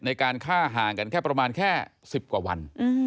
ในการฆ่าห่างกันแค่ประมาณแค่๑๐กว่าวัน